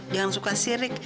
jangan suka sirik